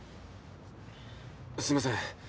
すいません。